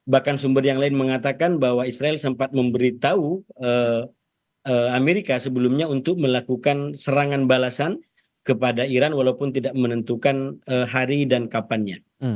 bahkan sumber yang lain mengatakan bahwa israel sempat memberitahu amerika sebelumnya untuk melakukan serangan balasan kepada iran walaupun tidak menentukan hari dan kapannya